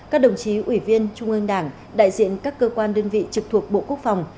các đồng chí ủy viên trung ương đảng đại diện các cơ quan đơn vị trực thuộc bộ quốc phòng